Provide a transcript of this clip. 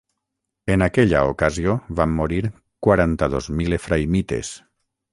En aquella ocasió van morir quaranta-dos mil efraïmites.